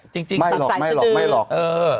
จริงตักสายสีดื้อ